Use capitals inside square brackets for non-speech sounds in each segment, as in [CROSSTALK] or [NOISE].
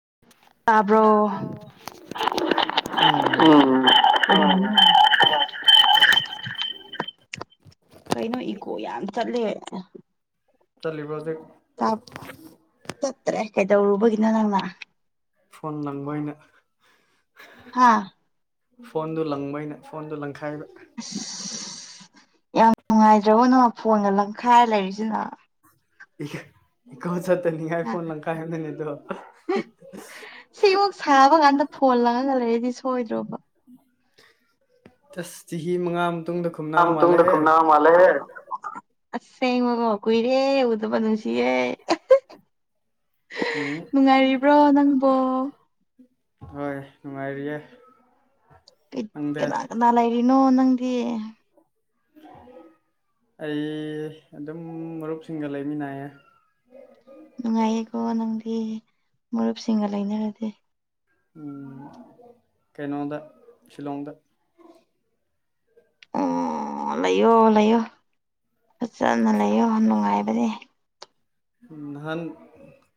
[UNINTELLIGIBLE] ꯇꯥꯕ꯭ꯔꯣ ꯎꯝ ꯎ ꯎ [UNINTELLIGIBLE] ꯀꯩꯅꯣ ꯏꯀꯣ ꯌꯥꯝ ꯆꯠꯂꯦ ꯆꯂꯤꯕꯁꯦ ꯆꯠꯇ꯭ꯔꯦ ꯀꯩꯗꯧꯔꯨꯕꯒꯤꯅꯣ ꯅꯪꯅ ꯐꯣꯟ ꯂꯪꯕꯩꯅ ꯍꯥꯥ ꯐꯣꯟꯗꯨ ꯂꯪꯕꯩꯅ ꯐꯣꯟꯗ ꯂꯪꯈꯥꯏꯕ [UNINTELLIGIBLE] ꯌꯥꯝ ꯅꯨꯡꯉꯥꯏꯇ꯭ꯔꯕꯣ ꯅ ꯐꯣꯟꯒ ꯂꯝꯪꯈꯥꯏꯔ ꯂꯩꯔꯤꯁꯤꯅ ꯀ ꯆꯠꯇꯅꯤꯡꯉꯥꯏ ꯐꯣꯟ ꯂꯪ ꯀꯥꯏꯗꯅꯤꯗꯣ ꯁꯤꯃꯨꯛ ꯁꯥꯕ ꯀꯥꯟꯗ ꯐꯣꯟ ꯂꯪꯉ ꯂꯩꯔꯤꯗꯤ ꯁꯣꯏꯗ꯭ꯔꯣꯕ꯫ ꯑꯁ ꯆꯍꯤ ꯃꯉꯥ꯫ ꯃꯇꯨꯡꯗ ꯈꯨꯝꯅꯕ ꯌꯥꯝ ꯃꯥꯜꯂꯦꯍꯦ ꯇꯨꯗꯈꯨꯞꯅꯥꯃ ꯃꯥꯂꯦꯍ꯫ ꯑꯁꯦꯡꯉꯒꯣ ꯀꯨꯏꯔꯦ ꯎꯗꯕ ꯅꯨꯡꯁꯤꯌꯦ꯫ ꯎꯝ꯫ ꯕꯔꯣ ꯅꯪꯕꯣ꯫ ꯍꯣꯏ ꯅꯨꯡꯉꯥꯏꯔꯤꯌꯦꯦ꯫ ꯀꯅꯥ ꯀꯅꯥ ꯂꯩꯔꯤꯅꯣ ꯅꯪꯗꯤ꯫ [UNINTELLIGIBLE] ꯑꯩ ꯑꯗꯨꯝ ꯃꯔꯨꯞꯁꯤꯡꯒ ꯂꯩꯃꯤꯟꯅꯌꯦ꯫ ꯅꯨꯡꯉꯥꯏꯌꯦꯀꯣ ꯅꯪꯗꯤ ꯃꯔꯨꯞꯁꯤꯡꯒ ꯂꯩꯅꯔꯗꯤ꯫ ꯎꯝ ꯀꯩꯅꯣꯗ ꯁꯤꯂꯣꯡꯗ꯫ ꯑꯣ ꯂꯩꯌꯣ ꯂꯩꯌꯣ꯫ ꯐꯖꯅ ꯂꯩꯌꯣ ꯅꯨꯡꯉꯥꯏꯕꯅꯦ꯫ ꯅꯥꯍꯥꯟ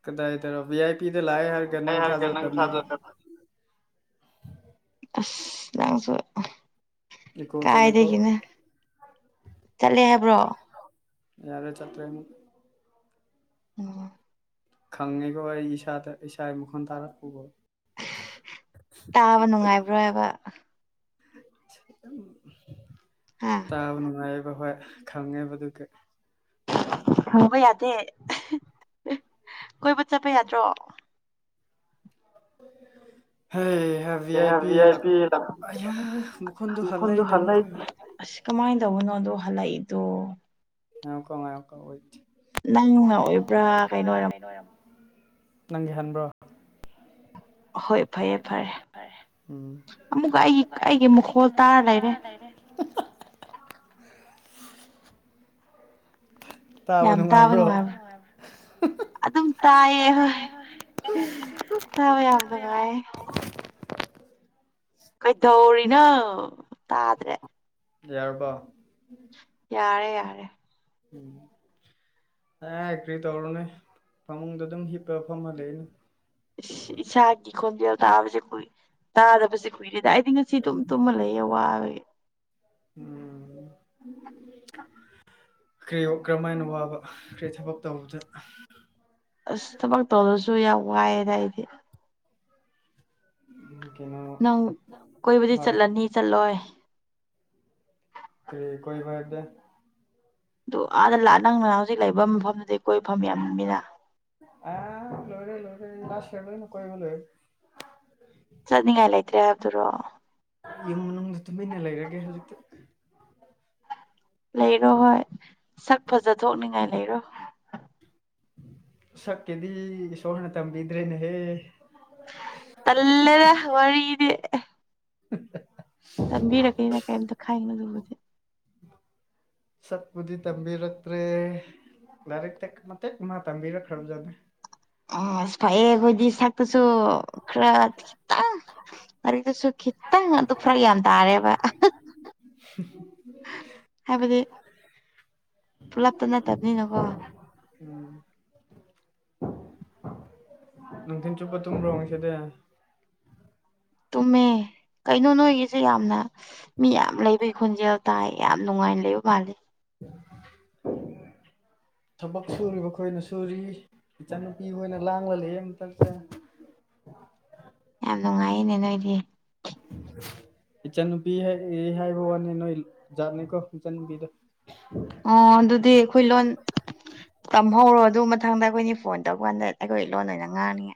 ꯀꯗꯥꯏꯗ ꯕꯤ ꯑꯥꯏ ꯄꯤ꯫ ꯂꯥꯛꯑꯦ ꯍꯥꯏꯔꯒꯦ ꯑꯩ ꯅꯪ ꯍꯥꯏꯒꯦ ꯅꯪ ꯊꯥꯖꯕꯅꯦꯕ꯫ ꯊꯥꯖꯗ ꯑꯁ ꯂꯥꯡꯁꯨ꯫ ꯏꯀꯣ ꯆꯠꯂꯦꯀꯣ ꯀꯥꯏꯗꯒꯤꯅꯦ ꯆꯠꯂꯦ ꯍꯥꯏꯕ꯭ꯔꯣ꯫ ꯌꯥꯔꯦ ꯆꯠꯇꯅꯤ꯫ ꯎꯝ꯫ ꯈꯪꯉꯤꯀꯣ ꯑꯩ ꯏꯁꯥꯗ ꯏꯁꯥ ꯃꯈꯣꯜ ꯊꯥꯔ ꯄꯨꯕꯣ꯫ ꯇꯥꯕ ꯅꯨꯡꯉꯥꯏꯕ꯭ꯔꯣꯕ꯫ ꯍꯥ ꯇꯕ ꯅꯨꯡꯉꯥꯏ꯫ ꯍꯣꯏ ꯍꯣꯏ ꯈꯪꯉꯦꯕꯗꯨꯒ꯫ ꯍꯪꯕ ꯌꯥꯗꯦ ꯀꯣꯏꯕ ꯆꯠꯄ ꯌꯥꯗ꯭ꯔꯣ꯫ ꯍꯩ ꯚ ꯑꯥꯏ ꯄꯤ ꯑ ꯃꯈꯣꯟꯗ ꯍꯥꯜ ꯃꯈꯣꯟꯗꯣ ꯂꯩꯏꯅꯦ ꯑꯃꯀ꯫ ꯍꯜꯂꯛꯏ ꯑꯁ ꯀꯃꯥꯏꯅ ꯇꯧꯕꯅꯣꯗꯣ ꯍꯜꯂꯛꯏꯗꯣ꯫ ꯍꯀꯃꯥꯏꯀ ꯑꯣꯏꯗꯦ꯫ ꯅꯪꯅ ꯑꯣꯏꯕ꯭ꯔꯥ ꯀꯩꯅꯣ ꯑꯣꯏꯔ꯫ ꯅꯪꯒꯤ ꯍꯟꯕ꯭ꯔꯣ꯫ ꯍꯣꯏ ꯐꯔꯦ ꯐꯔꯦ ꯑꯃꯨꯛꯀ ꯑꯩꯒꯤ ꯀꯒꯤ ꯃꯈꯣꯜ ꯇꯥꯔ꯫ ꯍꯥ ꯍꯥ ꯫ ꯌꯥꯝ ꯇꯥꯕ ꯅꯨꯡꯉꯥꯏꯕ꯭ꯔꯥ ꯑꯗꯨꯝ ꯇꯥꯏꯌꯦ ꯍꯣꯏ꯫ ꯇꯥꯕ ꯌꯥꯝ ꯅꯨꯡꯉꯥꯏ꯫ ꯀꯩꯗꯧꯔꯤꯅꯣ ꯇꯥꯗ꯭ꯔꯦ꯫ ꯌꯥꯔꯕ꯫ ꯌꯥꯔꯦ ꯌꯥꯔꯦ꯫ ꯎꯝ꯫ ꯑꯦ ꯑꯦꯒ꯭ꯔꯤ ꯇꯧꯔꯨꯅꯦ ꯐꯃꯨꯡꯗ ꯑꯗꯨꯝ ꯍꯤꯞꯄꯒ ꯐꯝꯍꯜꯂꯩꯅ꯫ ꯏꯁ ꯏꯁꯥꯒꯤ ꯈꯣꯟꯖꯦꯜ ꯇꯥꯕꯁꯦ ꯀꯏ ꯇꯥꯗꯕꯁꯦ ꯀꯨꯏꯔꯦꯗ꯫ ꯑꯩ ꯉꯁꯤ ꯇꯨꯝ ꯇꯨꯝꯃ ꯂꯩꯌꯦ ꯋꯥꯕꯒꯤ꯫ ꯎꯝ꯫ ꯀꯔꯤꯌ ꯀꯔꯝꯍꯥꯏꯅ ꯋꯥꯕ ꯀꯔꯤ ꯊꯕꯛ ꯇꯧꯕꯗ꯫ ꯑꯁ ꯊꯕꯛ ꯇꯧꯔꯁꯨ ꯌꯥꯝ ꯋꯥꯏꯑꯦꯗ ꯑꯩꯗꯤ꯫ ꯎꯝ꯫ ꯅꯪ ꯀꯣꯏꯕꯨꯗꯤ ꯆꯠꯂꯅꯤ ꯆꯠꯂꯣꯏ꯫ ꯀꯩ ꯀꯣꯏꯕ ꯆꯠ꯫ ꯑꯗꯨ ꯑꯥꯗ ꯂ ꯅꯪꯅ ꯍꯧꯖꯤꯛ ꯂꯩꯕ ꯃꯐꯝꯗꯨꯗꯤ ꯀꯣꯏꯕꯐꯝ ꯌꯥꯝꯅꯤꯅ꯫ ꯑ ꯂꯣꯏꯔꯦ ꯂꯣꯏꯔꯦ ꯂꯥꯁ ꯌꯔꯗ ꯀꯣꯏꯕꯨ ꯂꯣꯏ꯫ ꯆꯠꯅꯤꯡꯉꯥꯏ ꯂꯩꯇ꯭ꯔꯦ ꯍꯥꯏꯕꯗꯨꯔꯣ ꯏ ꯅꯪꯗ ꯇꯨꯝꯃꯤꯟꯅ ꯂꯩ ꯏꯔꯒꯦ ꯍꯥꯏꯛꯇ ꯂꯩꯔꯣ ꯍꯣꯏ ꯁꯛ ꯐꯖ ꯊꯣꯛꯣꯛꯅꯤꯡꯉꯥꯏ ꯂꯩꯔꯣ ꯁꯛꯀꯤꯦꯗꯤ ꯁꯣꯍꯅ ꯇꯝꯕꯤꯗ꯭ꯔꯦꯅꯦꯍꯦ ꯅꯂꯅ ꯋꯥꯗꯤ ꯎ ꯇꯝꯕꯤꯔꯛꯒꯅꯤꯅ ꯀꯩꯝꯇ ꯈꯥꯏꯅꯣ ꯑꯗꯨꯕꯁꯦ ꯁꯛꯄꯨꯗꯤ ꯇꯝꯕꯤꯔꯛꯇ꯭ꯔꯦ ꯂꯔ ꯇꯦꯛ ꯃꯦꯛ ꯃꯥ ꯇꯕꯤꯔ ꯈꯔꯖꯅꯦ ꯑꯁ ꯐꯥꯏꯌꯦ ꯀꯣꯏꯗꯤ ꯊꯛꯇꯁꯨ ꯈꯔ ꯑꯗꯨꯗꯨꯁꯨ ꯈꯤꯇꯪ ꯑꯗꯨ ꯐꯔ ꯌꯥꯝ ꯇꯥꯔꯦꯕ ꯎ ꯍꯥꯏꯕꯗꯤ ꯄꯨꯂꯞꯇ ꯅꯠꯇꯕꯅꯤꯅꯀꯣ ꯅꯪ ꯊꯤꯟ ꯆꯨꯞꯄ ꯇꯨꯝꯃ꯭ꯔꯣ ꯍꯪꯁꯤꯗꯦ ꯇꯨꯃꯦ ꯀꯩꯅꯣ ꯅꯣꯏꯒꯤꯁꯨ ꯌꯥꯝꯅ ꯃꯤ ꯌꯥꯝ ꯂꯩꯕꯩ ꯈꯣꯟꯖꯦꯜ ꯇꯥꯏ ꯌꯥꯝ ꯅꯨꯡꯉꯥꯏꯅ ꯂꯩꯕ ꯃꯥꯜꯂꯤ ꯑꯣ ꯊꯕꯛ ꯁꯨꯔꯤꯕ ꯑꯩꯈꯣꯏꯅ ꯁꯨꯔꯤ ꯏꯆꯟꯅꯨꯄꯤ ꯑꯣꯏꯅ ꯂꯥꯡꯂ ꯂꯩꯑꯦ ꯃꯇꯁ [UNINTELLIGIBLE] ꯌꯥꯝ ꯅꯨꯡꯉꯥꯏꯅꯦ ꯅꯣꯏꯗꯤ ꯎ ꯏꯆꯥ ꯅꯨꯨꯄꯤ ꯍꯥꯏꯕ ꯋꯥꯅꯤ ꯅꯣꯏ ꯖꯥꯠꯅꯤꯀꯣ ꯏꯆꯥꯟꯅꯨꯄꯤꯗ ꯑꯣ ꯑꯗꯨꯗꯤ ꯑꯩꯈꯣꯏ ꯂꯣꯟ ꯇꯝꯍꯧꯔꯣ ꯑꯗꯨ ꯃꯊꯪꯗ ꯑꯩꯈꯣꯏꯅꯤ ꯐꯣꯟ ꯇꯧꯀꯥꯟꯗ ꯑꯩꯈꯣꯏ ꯂꯣꯟ ꯑꯣꯏꯅ ꯉꯥꯡꯅꯤꯉ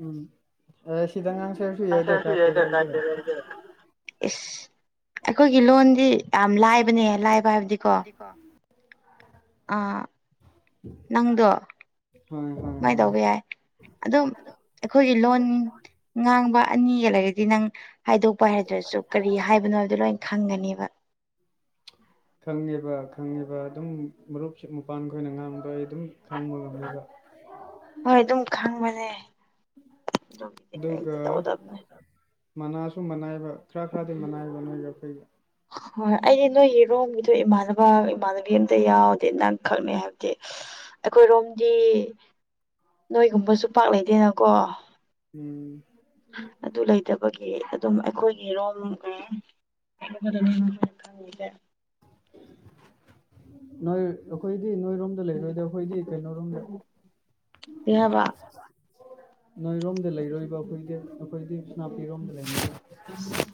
ꯎꯝ ꯑ ꯁꯤꯗꯉꯥꯡ ꯑꯦꯁ ꯑꯩꯈꯣꯏꯒꯤ ꯂꯣꯟꯗꯤ ꯌꯥꯝ ꯂꯥꯏꯕꯅꯦ ꯂꯥꯏꯕ ꯍꯥꯏꯕꯗꯤꯀꯣ ꯗꯤꯀꯣ ꯑ ꯅꯪꯗꯣ ꯍꯣꯏ ꯍꯣꯏ ꯁꯨꯃꯥꯏꯅ ꯍꯣꯏ ꯇꯧꯕ ꯌꯥꯏ ꯑꯗꯨꯝ ꯑꯩꯈꯣꯏꯒꯤ ꯂꯣꯟ ꯉꯥꯡꯕ ꯑꯅꯤ ꯍꯦꯜꯂꯒꯗꯤ ꯅꯪ ꯍꯥꯏꯗꯣꯛꯄ ꯍꯥꯏꯗ꯭ꯔꯁꯨ ꯀꯔꯤ ꯍꯥꯏꯕꯅꯣꯕꯗꯣ ꯂꯣꯏꯅ ꯈꯪꯒꯅꯦꯕ ꯈꯪꯉꯦꯕ ꯈꯪꯉꯦꯕ ꯑꯗꯨꯝ ꯃꯔꯨꯞ ꯃꯄꯥꯟꯈꯣꯏꯅ ꯉꯥꯡꯗꯣꯏ ꯍꯣꯏ ꯑꯗꯨꯝ ꯈꯪꯕꯅꯦ ꯒꯤꯅꯤ ꯀꯗ ꯇꯎꯗꯕꯅꯦ ꯁꯨꯝ ꯃꯅꯥꯏꯕ ꯈꯔ ꯈꯔꯗꯤ ꯃꯅꯥꯏꯕ ꯅꯣꯏꯒ ꯑꯩꯈꯣꯏꯒ ꯍꯣꯏ ꯑꯩꯗꯤ ꯅꯣꯏꯒꯤꯔꯣꯝꯒꯤꯗꯣ ꯏꯃꯥꯟꯅꯕ ꯏꯃꯥꯟꯅꯕꯤ ꯑꯝꯇ ꯌꯥꯎꯗꯤ ꯅꯪ ꯈꯪꯅꯩ ꯍꯥꯏꯕꯗꯤ ꯑꯩꯈꯣꯏꯔꯣꯝꯗꯤ ꯅꯣꯏꯒꯨꯝꯕꯁꯨ ꯄꯥꯛ ꯂꯩꯇꯦꯅꯀꯣ ꯎꯝ ꯑꯗꯨ ꯂꯩꯇꯕꯒꯤ ꯑꯗꯨꯝ ꯑꯩꯈꯣꯏꯒꯤ ꯔꯣꯜ ꯗ [UNINTELLIGIBLE] ꯅꯣꯏ ꯑꯈꯣꯏ ꯗꯤ ꯅꯣꯏꯔꯣꯝꯗ ꯂꯩꯔꯣꯏꯗ ꯑꯩꯈꯣꯏꯗꯤ ꯀꯩꯅꯣꯔꯣꯝꯗ ꯀꯩ ꯍꯥꯏꯕ ꯅꯣꯏꯔꯣꯝꯗ ꯂꯩꯔꯣꯏꯕ ꯑꯩꯈꯣꯏꯗꯤ ꯑꯩꯈꯣꯏꯗꯤ ꯁꯅꯥꯄꯤꯔꯣꯝꯗ ꯂꯩ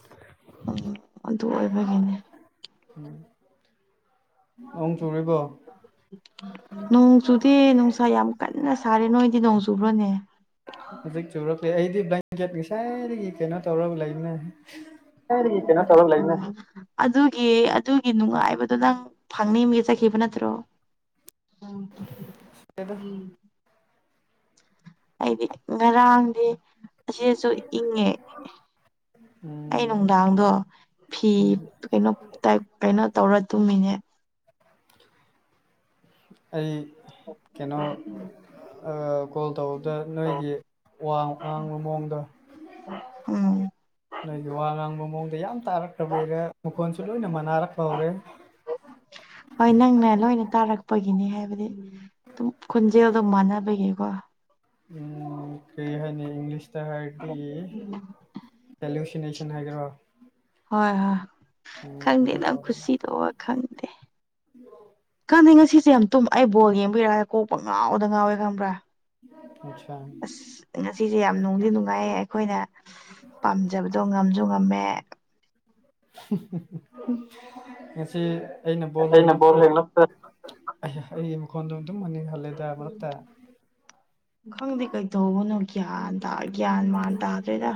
ꯑ ꯑꯗꯨ ꯑꯣꯏꯕꯒꯤꯅꯦ ꯎꯝ ꯆꯨꯔꯤꯕꯣ ꯅꯅꯨꯡꯣꯡꯁꯨꯗꯤ ꯅꯨꯡꯁ ꯌꯥꯝ ꯀꯟꯅ ꯁꯥꯔꯦ ꯅꯣꯏꯗꯤ ꯅꯣꯡ ꯆꯨꯕ꯭ꯔꯣꯅꯦ ꯍꯧꯖꯤꯛ ꯆꯨꯔꯛꯂ ꯑꯩꯗꯤ ꯕ꯭ꯂꯦꯡꯀꯦꯠꯀꯤꯁꯥꯏꯗꯒꯤ ꯀꯩꯅꯣ ꯇꯧꯔꯒ ꯂꯩꯅꯦ ꯀꯔꯤꯒꯤ ꯀꯩꯅꯣ ꯊꯧꯔ ꯂꯩꯅ ꯑꯗꯨꯒꯤ ꯑꯗꯨꯒꯤ ꯅꯨꯡꯉꯥꯏꯕꯗꯣ ꯅꯪ ꯐꯪꯅꯤꯡꯒ ꯆꯠꯈꯤꯕ ꯅꯠꯇ꯭ꯔꯣ ꯎꯝ ꯎꯝ ꯑꯩꯗꯤ ꯉꯔꯥꯡꯗꯤ ꯑꯁꯤꯁꯨ ꯏꯪꯉꯦ ꯑꯩ ꯎꯝ ꯅꯨꯡꯗꯥꯡꯗꯣ ꯐꯤ ꯎꯝ ꯀꯩꯅꯣ ꯇꯥꯏ ꯀꯩꯅꯣ ꯇꯧꯔ ꯇꯨꯃꯤꯅꯦ ꯑꯩ ꯀꯩꯅꯣ ꯎꯝ [UNINTELLIGIBLE] ꯀꯣꯜ ꯇꯧꯕꯗ ꯅꯣꯏꯒꯤ ꯋꯥꯡ ꯋꯥꯡꯕ ꯃꯑꯣꯡꯗ ꯎꯝ ꯅꯗꯤ ꯋꯥ ꯂꯥꯡꯕ ꯃꯑꯣꯡꯗ ꯌꯥ ꯇꯥꯔꯛꯇ꯭ꯔꯕꯔ ꯃꯈꯣꯟꯁꯨ ꯂꯣꯏꯅ ꯃꯅꯥꯔꯛꯄ ꯍꯧꯔꯦ ꯍꯣꯏ ꯅꯪꯅ ꯂꯣꯏꯅ ꯇꯥꯔꯛꯄꯒꯤ ꯍꯥꯏꯕꯗꯤ ꯑꯗꯨꯝ ꯈꯣꯟꯖꯦꯜ ꯑꯗꯨꯝ ꯃꯥꯟꯅꯕꯒꯤꯀꯣ ꯎꯝ ꯀ ꯍꯥꯏꯅꯤ ꯏꯪꯂꯤꯁ ꯇ ꯍꯥꯏꯔꯗꯤ ꯚꯦꯛꯁꯤꯅꯦꯁꯟ ꯍꯥꯏꯒꯦ꯭ꯔꯥ ꯍꯣꯏ ꯍꯣꯏ ꯈꯪꯗꯦ ꯅ ꯇꯧꯔꯦ ꯈꯨꯁꯤꯗꯣ ꯈꯪꯗꯦ ꯈꯪꯗꯦ ꯉꯁꯤꯁꯦ ꯌꯥꯝ ꯇꯨꯝꯃ ꯑꯩ ꯕꯣꯜ ꯌꯦꯡꯕꯤꯔꯛꯑꯒꯦ ꯀꯣꯛꯄ ꯉꯥꯎꯗ ꯉꯥꯎꯋꯦ ꯈꯪꯕ꯭ꯔꯥ ꯑꯠꯆꯥ ꯑꯁ ꯉꯁꯤꯁꯦ ꯌꯥꯝ ꯅꯨꯡꯗꯤ ꯅꯨꯡꯉꯥꯏꯌꯦ ꯑꯩꯈꯣꯏꯅ ꯄꯥꯝꯖꯕꯗꯣ ꯉꯝꯁꯨ ꯉꯝꯃꯦ ꯉꯁꯤ ꯑꯩꯅ ꯕꯣꯜ ꯍꯦꯡꯂꯞꯄ ꯑꯩꯒꯤ ꯃꯈꯣꯟꯗꯨꯅꯤ [UNINTELLIGIBLE] ꯑꯗꯨꯝꯃꯅꯤ ꯈꯂꯦꯗ ꯃꯔꯠꯇ ꯈꯪꯗꯦ ꯀꯩꯗꯧꯒꯅꯨ ꯒ꯭ꯌꯥꯟ ꯇ ꯒ꯭ꯌꯥꯟ ꯃꯥꯟ ꯇꯥꯗꯦꯗ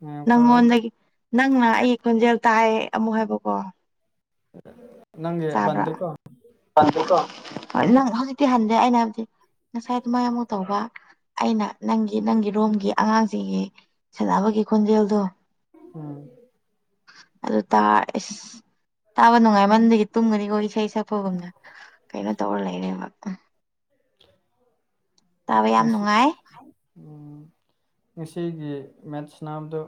ꯉꯥꯏꯌꯣꯀꯣ ꯅꯪꯉꯣꯟꯗꯒꯤ ꯅꯪꯅ ꯑꯩ ꯈꯣꯟꯖꯦꯜ ꯇꯥꯏ ꯑꯃꯨꯛ ꯍꯥꯏꯕꯀꯣ ꯎꯝ ꯇꯥꯕ꯭ꯔ [UNINTELLIGIBLE] ꯅꯪ ꯍꯧꯖꯤꯛꯇꯤ ꯍꯟꯗꯦ ꯑꯩꯅ ꯍꯥꯏꯕꯗꯤ ꯉꯁꯥꯏ ꯑꯗꯨ ꯃꯥꯏ ꯑꯃꯨꯧꯛ ꯇꯧꯕ ꯑꯩꯅ ꯅꯪꯒꯤ ꯅꯪꯒꯤ ꯔꯣꯝꯒꯤ ꯑꯉꯥꯡꯁꯤꯡꯒꯤ ꯁꯥꯟꯅꯕꯒꯤ ꯈꯣꯟꯖꯦꯜꯗꯣ ꯑꯝ ꯑꯗꯨ ꯇꯥ ꯑꯦꯁ ꯇꯥꯕ ꯅꯨꯡꯉꯥꯏꯃꯟꯗꯒꯤ ꯇꯨꯝꯒꯅꯤꯀꯣ ꯏꯁꯩꯁꯦ ꯊꯛꯄꯒꯨꯝꯅ ꯀꯩꯅꯣ ꯇꯧꯔ ꯂꯩꯔꯦꯕ ꯇꯥꯋꯦ ꯌꯥꯝ ꯉꯁꯤ ꯅꯨꯡꯉꯥꯏ ꯉꯁꯤꯒꯤ ꯃꯦꯠꯁ ꯅꯥꯕꯗꯨ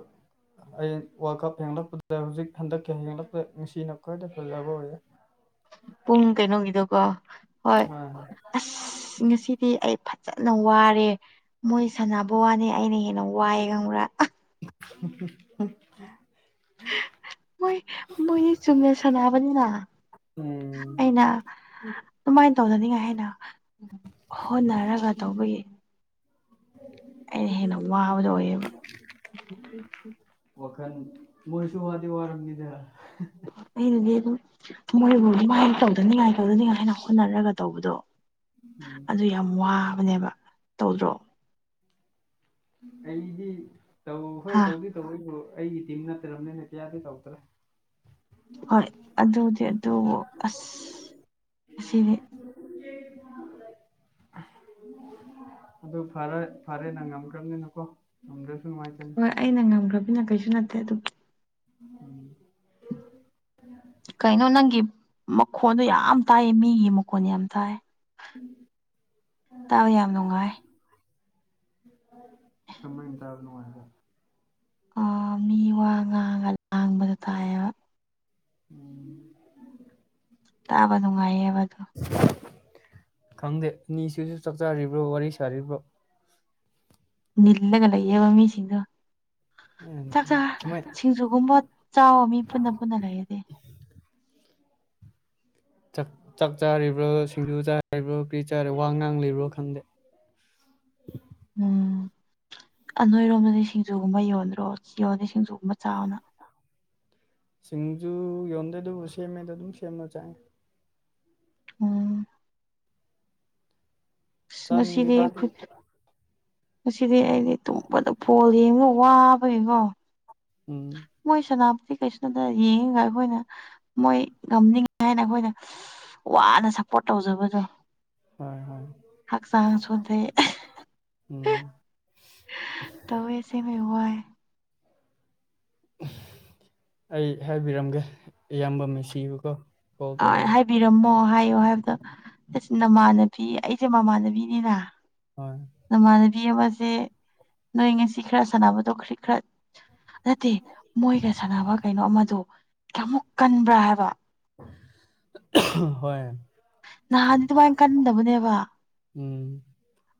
ꯑꯩ ꯋꯥꯔꯜ ꯀꯞ ꯍꯦꯛꯄꯗ ꯍꯧꯖꯤꯛ ꯍꯟꯗꯛꯀꯤ ꯍꯦꯡꯂꯛꯄꯗ ꯅꯨꯡꯁꯤꯅ ꯈ꯭ꯋꯥꯏꯗ ꯐꯖꯕ ꯑꯣꯏꯌꯦ ꯄꯨꯡ ꯀꯩꯅꯣꯒꯤꯗꯀꯣ ꯍꯣꯏ ꯑꯁ ꯉꯁꯤꯗꯤ ꯑꯩ ꯐꯖ ꯟꯅ ꯋꯥꯔꯦ ꯃꯣꯏ ꯁꯥꯟꯅꯕ ꯋꯥꯅꯦ ꯑꯩꯅ ꯍꯦꯟꯅ ꯋꯥꯏꯑ ꯈꯪꯕ꯭ꯔꯥ ꯎꯝ ꯃꯣꯏ ꯃꯣꯏꯗꯤ ꯆꯨꯝꯅ ꯁꯥꯟꯅꯥꯅꯕꯅꯤꯅ ꯎꯝ ꯑꯩꯅ ꯑꯗꯨꯃꯥꯏꯅ ꯇꯧꯅꯅꯤꯡꯉꯥꯏ ꯍꯥꯏꯅ ꯍꯣꯠꯅꯔꯒ ꯇꯧꯕꯒꯤ [UNINTELLIGIBLE] ꯑꯩꯅ ꯍꯦꯟꯅ ꯋꯥꯕꯗꯣ ꯑꯣꯏ ꯑꯦꯕ ꯋꯥꯈꯜ ꯃꯣꯏꯁꯨ ꯋꯥꯗꯤ ꯋꯥꯔꯝꯃꯤꯗ ꯑꯩꯗꯨꯗꯤ ꯑꯗꯨꯝ ꯃꯣꯏꯕꯨ ꯑꯗꯨꯃꯥꯏꯅ ꯇꯧꯗꯅꯤꯉꯥꯏ ꯇꯧꯗꯅꯤꯉꯥꯏ ꯍꯥꯏꯅ ꯍꯣꯠꯅꯔꯒ ꯇꯧꯕꯗꯣ ꯎꯝ ꯑꯗꯨ ꯌꯥꯝ ꯋꯥꯕꯅꯦꯕ ꯇꯧꯗ꯭ꯔꯣ ꯑꯩꯗꯤ ꯇꯧ ꯍꯣꯏ ꯍꯥ ꯇꯧꯗꯤ ꯇꯧꯑꯦ ꯗꯨꯕꯨ ꯑꯩꯒꯤ ꯇꯤꯝ ꯅꯠꯇ꯭ꯔꯕꯅꯤꯅ ꯀꯌꯥꯗꯤ ꯇꯧꯗ꯭ꯔꯦ ꯍꯣꯏ ꯑꯗꯨꯗꯤ ꯑꯗꯨꯕꯨ ꯑꯁ ꯑꯁꯤꯅꯤ ꯑꯗꯨ ꯐꯔꯦ ꯐꯔꯦ ꯅꯪ ꯈꯝꯅꯤꯅꯀꯣ ꯉꯝꯗ꯭ꯔꯦ ꯍꯣꯏ ꯑꯩꯅ ꯉꯝꯈ꯭ꯔꯕꯅ ꯀꯩꯁꯨ ꯅꯠꯇꯦ ꯑꯗꯨꯝ ꯎꯝ ꯀꯩꯅꯣ ꯅꯪꯒꯤ ꯃꯈꯣꯟꯗꯣ ꯌꯥꯝ ꯇꯥꯏ ꯃꯤꯒꯤ ꯃꯈꯣꯟ ꯌꯥꯝ ꯇꯥꯏ ꯇꯥꯕ ꯌꯥꯝ ꯅꯨꯡꯉꯥꯏ ꯀꯃꯥꯏꯅ ꯇꯥꯕ ꯅꯨꯡꯉꯥꯏꯕꯔ ꯑ ꯃꯤ ꯋꯥ ꯉꯥꯡꯒ ꯂꯥꯡꯕꯗꯣ ꯇꯥꯏꯌꯦꯕ ꯎꯝ ꯇꯥꯕ ꯅꯨꯡꯉꯥꯏꯌꯦꯕ ꯑꯗꯨ ꯈꯪꯗꯦ ꯑꯅꯤꯁꯤꯁꯨ ꯆꯥꯛꯆꯥꯔꯤꯕ꯭ꯔꯣ ꯋꯥꯔꯤ ꯁꯥꯔꯤꯕ꯭ꯔꯣ ꯅꯤꯜꯂꯒ ꯂꯩꯥꯏꯌꯦꯕ ꯃꯤꯁꯤꯡꯗꯨ ꯆꯥꯛ ꯆ ꯁꯨꯃꯥꯏ ꯁꯤꯡꯖꯨꯒꯨꯝꯕ ꯆꯥꯎꯕ ꯃꯤ ꯄꯨꯟꯅ ꯄꯨꯟꯅ ꯂꯩꯔꯗꯤ ꯆꯥꯛ ꯆꯥꯛ ꯆꯥꯔꯤꯕ꯭ꯔꯣ ꯁꯤꯡꯖꯨ ꯆꯥꯔꯤꯕ꯭ꯔꯣ ꯀ꯭ꯔꯤ ꯆꯥ ꯋꯥ ꯉꯥꯡꯂꯤꯕ꯭ꯔꯣ ꯈꯪꯗꯦ [INAUDIBLE] ꯎꯝ ꯑ ꯅꯣꯏꯔꯣꯝꯗꯗꯤ ꯁꯤꯡꯖꯨꯒꯨꯝꯕ ꯌꯣꯟꯗ꯭ꯔꯣ ꯌꯣꯟꯗꯤ ꯁꯤꯡꯖꯨꯒꯨꯝꯕ ꯆꯥꯕꯅ ꯁꯤꯡꯖꯨ ꯌꯣꯟꯗꯦ ꯑꯗꯨꯕꯨ ꯁꯦꯝꯃꯦꯗꯣ ꯑꯗꯨꯝ ꯁꯦꯝꯃ ꯆꯥꯏ ꯎꯝ ꯑ ꯉꯁꯤꯗꯤ ꯆꯥꯅꯤꯡꯗꯦꯗ ꯑꯩꯗꯤ ꯑꯩꯈꯣꯏ ꯉꯁꯤꯗꯤ ꯑꯩꯗꯤ ꯇꯨꯝꯕꯗ ꯐꯣꯜ ꯌꯦꯡꯕ ꯋꯥꯕꯩꯉꯣ ꯎꯝ ꯃꯣꯏ ꯁꯅ ꯁꯤ ꯐꯦꯁꯕꯨꯛꯇ ꯌꯦꯡꯉꯒ ꯑꯩꯈꯣꯏꯅ ꯃꯣꯏ ꯉꯝꯅꯤꯡꯉ ꯍꯥꯏꯅ ꯑꯩꯈꯣꯏꯅ ꯋꯥꯅ ꯁꯄꯣꯔꯠ ꯇꯧꯖꯕꯗꯣ ꯍꯣꯏ ꯍꯣꯏ ꯍꯛꯆꯥꯡ ꯁꯣꯟꯊꯩ ꯎꯝ ꯇꯧꯏ ꯑꯦ ꯁꯦꯡꯕꯩ ꯋꯥꯏ ꯑꯩ ꯍꯥꯏꯕꯤꯔꯝꯒꯦ ꯏꯌꯥꯝꯕ ꯃꯤꯁꯤꯕꯨꯀꯣ ꯑ ꯍꯥꯏꯕꯤꯔꯝꯃꯣ ꯍꯥꯏ ꯍꯥꯏꯕꯗ ꯑꯁ ꯅꯃꯥꯟꯅꯕꯤ ꯑꯩꯁꯦ ꯃꯃꯥꯟꯅꯕꯤꯅꯤꯅ ꯍꯣꯏ ꯅꯃꯥꯟꯅꯕꯤ ꯑꯃꯁꯦ ꯅꯣꯏ ꯉꯁꯤ ꯈꯔ ꯁꯥꯟꯅꯕꯗꯣ ꯈꯤ ꯈꯔ ꯅꯠꯇꯦ ꯃꯣꯏꯒ ꯁꯥꯟꯅꯕ ꯀꯩꯅꯣ ꯑꯃꯗꯣ ꯀꯌꯥꯃꯨꯛ ꯀꯟꯕ꯭ꯔꯥ ꯍꯥꯏꯕ ꯍꯣꯏ ꯅꯍꯥꯟꯗꯤ ꯑꯗꯨꯃꯥꯏꯅ ꯀꯟꯗꯕꯅꯦꯕ ꯎꯝ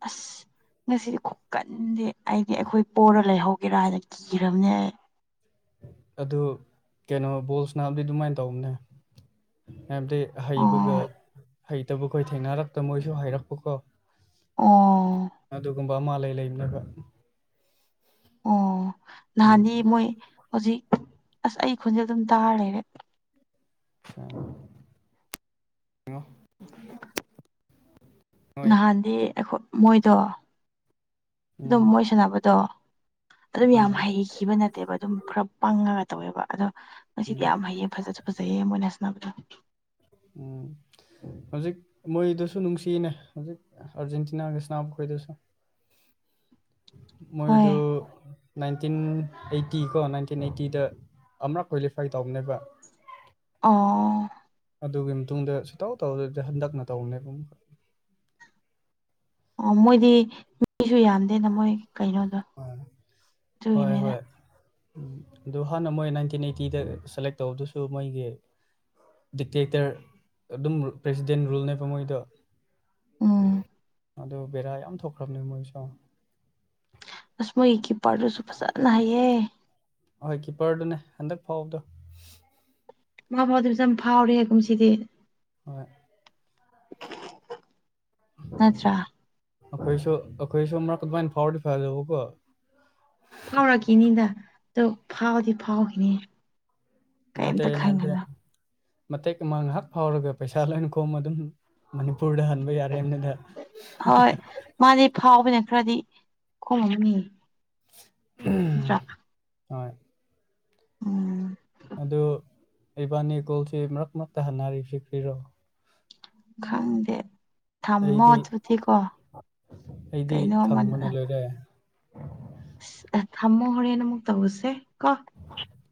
ꯑꯁ ꯉꯁꯤꯗꯤ ꯈꯨꯀꯟꯗꯦ ꯑꯩꯗꯤ ꯑꯩꯈꯣꯏ ꯄꯣꯔ ꯂꯩꯍꯧꯒꯦꯔꯥ ꯍꯥꯏꯅ ꯀꯤꯔꯥꯕꯅꯦ ꯑꯩ ꯑꯗꯨ ꯀꯩꯅꯣ ꯕꯣꯜꯁ ꯁꯟꯅꯥꯕꯗꯤ ꯑꯗꯨꯃꯥꯏꯅ ꯇꯧꯕꯅꯦ ꯍꯥꯏꯕꯗꯤ ꯍꯩꯕꯒ ꯑꯣ ꯍꯩꯇꯕꯈꯣꯏ ꯊꯦꯡꯅꯔꯛꯄꯕ ꯃꯣꯏꯁꯨ ꯍꯩꯔꯛꯄꯀꯣ ꯑꯣ ꯑꯗꯨꯒꯨꯝꯕ ꯃꯥ ꯂꯩ ꯂꯩꯕꯅꯕ ꯑꯣ ꯎꯝ ꯅꯥꯍꯟꯗꯤ ꯃꯣꯏ ꯍꯧꯖꯤꯛ ꯑꯁ ꯑꯩ ꯈꯣꯟꯖꯦꯜ ꯑꯗꯨꯝ ꯇꯥꯔ ꯂꯩꯔꯦ [INAUDIBLE] ꯎꯝ ꯅꯍꯥꯟꯗꯤ ꯑꯈꯣꯏ ꯃꯣꯏꯗꯣ ꯑꯗꯨꯝ ꯃꯣꯏ ꯁꯥꯟꯅꯕꯗꯣ ꯑꯗꯨꯝ ꯎꯝ ꯌꯥꯝ ꯍꯩꯈꯤꯕ ꯅꯠꯇꯦꯕ ꯑꯗꯨꯝ ꯈꯔ ꯄꯪꯉꯒ ꯇꯧꯋꯦꯕ ꯑꯗꯣ ꯉꯁꯤꯗꯤ ꯎꯝ ꯌꯥꯝ ꯍꯩꯌꯦ ꯐꯖꯁꯨ ꯐꯖꯩꯌꯦ ꯃꯣꯏꯅ ꯁꯅꯕꯗꯣ ꯎꯝ ꯍꯧꯖꯤꯛ ꯃꯣꯏꯗꯨꯁꯨ ꯅꯨꯡꯁꯤꯅꯦ ꯍꯧꯖꯤꯛ ꯑꯥꯔꯖꯦꯟꯇꯤꯅꯥꯒ ꯁꯟꯅꯕꯈꯣꯏꯗꯨꯁꯨ ꯃꯣꯏꯗꯨ ꯍꯣꯏ ꯅꯥꯏꯟꯇꯤꯟ ꯑꯩꯠꯇꯤ ꯀꯣ ꯅꯥꯏꯟꯇꯤꯟ ꯑꯩꯠꯇꯤꯗ ꯑꯃꯔꯛ ꯀ꯭ꯋꯥꯂꯤꯐꯥꯏ ꯇꯧꯕꯅꯦꯕ ꯑꯣ ꯑꯗꯨꯒꯤ ꯃꯇꯨꯡꯗ ꯁꯨꯇꯥꯎ ꯇꯧꯗꯗꯤ ꯍꯟꯗꯛꯅ ꯇꯧꯕꯅꯦꯕ ꯑꯣ ꯃꯣꯏꯗꯤ ꯃꯤꯁꯨ ꯌꯥꯝꯗꯦꯅ ꯃꯣꯏ ꯀꯩꯅꯣꯗꯣ ꯑꯗꯨꯒꯤꯅꯤꯗ ꯎꯝ ꯑꯗꯨ ꯍꯥꯟꯅ ꯃꯣꯏ ꯅꯥꯏꯟꯇꯤꯟ ꯑꯩꯠꯇꯤꯗ ꯁꯦꯂꯦꯛ ꯇꯧꯕꯗꯨꯁꯨ ꯃꯣꯏꯒꯤ ꯗꯤꯛꯇꯦꯛꯇꯔ ꯑꯗꯨꯝ ꯄ꯭ꯔꯦꯁꯤꯗꯦꯟ ꯔꯨꯜꯅꯦꯕ ꯃꯣꯏꯗ ꯎꯝ ꯑꯗꯨ ꯕꯦꯔꯥ ꯌꯥꯝ ꯊꯣꯛꯈ꯭ꯔꯕꯅꯦ ꯃꯣꯏꯁꯨ ꯑꯁ ꯃꯣꯏ ꯀꯤꯄꯔꯔꯁꯨ ꯐꯖꯜꯅ ꯍꯥꯏꯌꯦ ꯑꯣꯏ ꯀꯤꯞꯄꯔꯗꯨꯅꯦ ꯍꯟꯗꯛ ꯐꯥꯎꯕꯗꯣ ꯃꯥ ꯐꯥꯎꯗꯕꯁꯨ ꯌꯥꯝ ꯐꯥꯎꯔꯦꯀꯨꯝ ꯁꯤꯗꯤ ꯍꯣꯏ ꯅꯠꯇ꯭ꯔ ꯑꯩꯈꯣꯏꯁꯨ ꯑꯩꯈꯣꯏꯁꯨ ꯑꯃꯛ ꯀ ꯑꯗꯨꯃꯥꯏꯅ ꯐꯥꯎꯗꯤ ꯐꯥꯗꯧꯕ ꯀꯣ ꯐꯥꯎꯔꯛꯈꯤꯅꯤꯗ ꯑꯣ ꯐꯥꯎꯕꯗꯤ ꯐꯥꯎꯈꯤꯅꯤ ꯅꯠꯇꯦ ꯀꯦꯝꯇ ꯑꯩꯅ ꯍꯥꯏꯕꯗꯤ ꯈꯪꯒꯅ ꯃꯇꯦꯛ ꯑꯃ ꯉꯥꯏꯍꯥꯛ ꯐꯥꯎꯔꯒ ꯄꯩꯁꯥ ꯂꯣꯏ ꯀꯣꯃ ꯑꯗꯨꯝ ꯃꯅꯤꯄꯨꯔꯗ ꯍꯟꯕ ꯌꯥꯔꯦꯗ ꯍꯣꯏ ꯃꯥꯗꯤ ꯐꯥꯎꯕꯅ ꯈꯔꯗꯤ ꯈꯣꯍꯝꯅꯤ ꯆꯥꯛ [INAUDIBLE] ꯍꯣꯏ ꯎꯝ ꯑꯗꯨ ꯏꯕꯥꯅꯤ ꯒꯣꯜꯁꯤ ꯃꯔꯛ ꯃꯔꯛꯇ ꯍꯟꯅꯔꯤꯁꯤ ꯐ꯭ꯔꯤꯔꯣ ꯈꯪꯗꯦ ꯊꯝꯃꯣ ꯑꯩꯗꯤ ꯑꯗꯨꯗꯤꯀꯣ ꯑꯩꯗꯤ ꯀꯩꯅꯣꯃ ꯈꯪꯕꯅ ꯂꯣꯏꯔꯦ ꯊꯝꯃꯣꯍꯣꯔꯦꯅ ꯑꯃꯨꯛ ꯇꯧꯕꯁꯦ ꯀꯣ